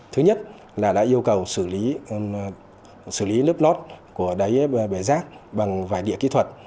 thứ nhất là đã yêu cầu xử lý nước lót của đáy bẻ rác bằng vài địa kỹ thuật